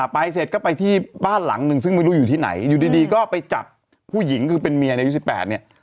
เสร็จก็ไปที่บ้านหลังนึงซึ่งไม่รู้อยู่ที่ไหนอยู่ดีก็ไปจับผู้หญิงคือเป็นเมียในอายุ๑๘เนี่ย